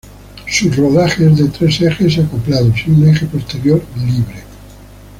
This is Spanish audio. Su rodaje es de tres ejes acoplados y un eje posterior libre.